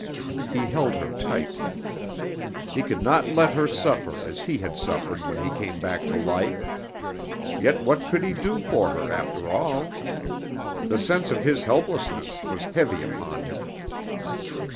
He held her tight. He could not let her suffer as he had suffered when he came back to life! Yet what could he do for her, after all? The sense of his helplessness was heavy upon him.